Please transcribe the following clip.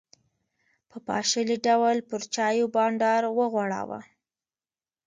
په پاشلي ډول پر چایو بانډار وغوړاوه.